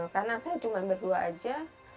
karena saya cuma berdua aja